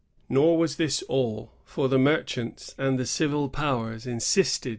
Nor was this all, for the merchants and the civil powers insisted that 1663 1702.